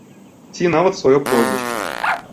Ці нават сваё прозвішча.